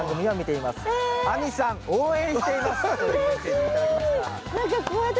はい！